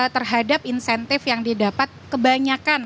terhadap insentif yang didapat kebanyakan